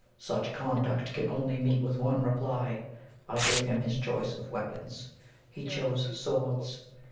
Such conduct can only meet with one reply. I gave him his choice of weapons: he chose swords.